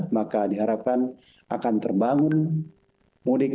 maka diharapkan akan terbangun mudik